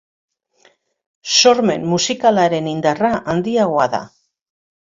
Sormen musikalaren indarra handiagoa da.